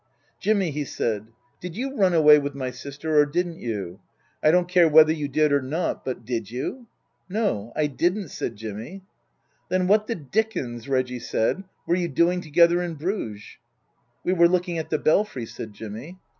" Jimmy," he said, " did you run away with my sister, or didn't you ? I don't care whether you did or not, but did you ?"" No, I didn't," said Jimmy. " Then what the dickens," Reggie said, " were you doing together in Bruges ?"" We were looking at the Belfry," said Jimmy.